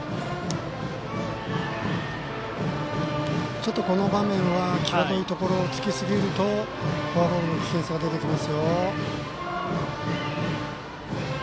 ちょっとこの場面は際どいところをつきすぎるとフォアボールの危険性が出てきますよ。